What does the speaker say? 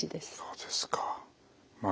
そうですか。